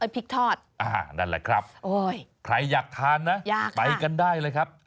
พริกทอดนั่นแหละครับใครอยากทานนะไปกันได้เลยครับ